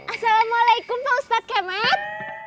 assalamualaikum pak ustadz kemet